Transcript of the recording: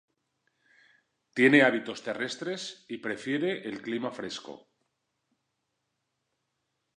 Tiene hábitos terrestres y prefiere el clima fresco.